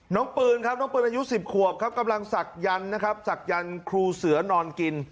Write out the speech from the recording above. น้องปืนครับน้องปืนอายุสิบขวบครับกำลังศักดิ์ยันนะครับศักดิ์ยันครูเสือนอนกิน